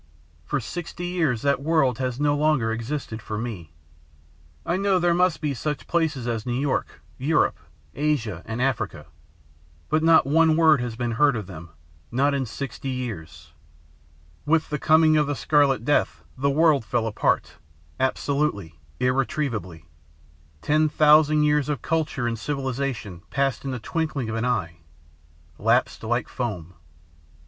For sixty years that world has no longer existed for me. I know there must be such places as New York, Europe, Asia, and Africa; but not one word has been heard of them not in sixty years. With the coming of the Scarlet Death the world fell apart, absolutely, irretrievably. Ten thousand years of culture and civilization passed in the twinkling of an eye, 'lapsed like foam.'